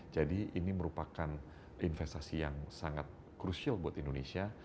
jadi ini merupakan investasi yang sangat krusial buat indonesia